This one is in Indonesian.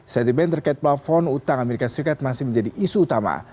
sentiment terkait platform utang as masih menjadi isu utama